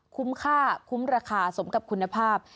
คุ้มค่าคุ้มราคาสมกับคุณภาพ